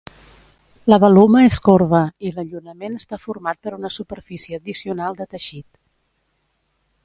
La baluma és corba i l'allunament està format per una superfície addicional de teixit.